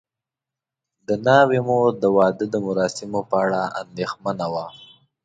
د ناوې مور د واده د مراسمو په اړه اندېښمنه وه.